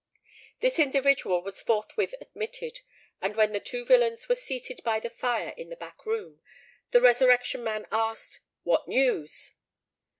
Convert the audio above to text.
This individual was forthwith admitted; and when the two villains were seated by the fire in the back room, the Resurrection Man asked "What news?"